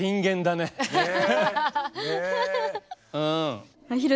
ねえ！